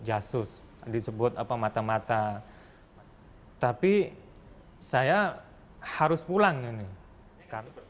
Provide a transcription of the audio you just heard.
jangan jangan orang ini jengkel sama kita dan ternyata itu banyak sekali kita dengar orang ini ditembak dieksekusi gara gara disebut